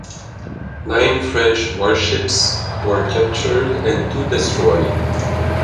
Nine French warships were captured and two destroyed.